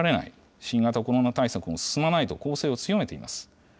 新型コロナ対策も進まないと攻勢を強めています。